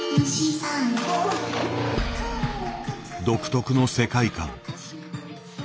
独特の世界観。